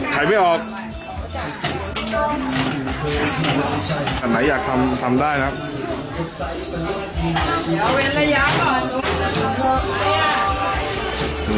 หายไม่ออกอันไหนอยากทำทำได้นะครับ